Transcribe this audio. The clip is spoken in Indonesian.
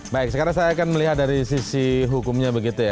baik sekarang saya akan melihat dari sisi hukumnya begitu ya